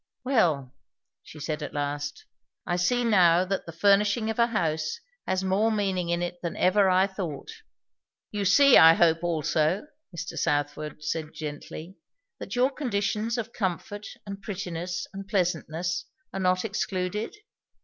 "Well!" she said at last, "I see now that the furnishing of a house has more meaning in it than ever I thought." "You see, I hope also," Mr. Southwode said gently, "that your conditions of comfort and prettiness and pleasantness are not excluded?"